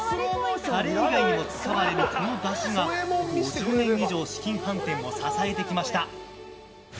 カレー以外にも使われるこのだしが５０年以上紫金飯店を支えてきました。